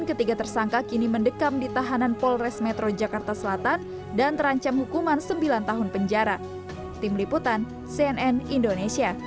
aksi perampasan telepon genggam milik seorang bocah di jalan ch dua kebayoran lama jakarta selatan berhasil ditangkap polres metro jakarta selatan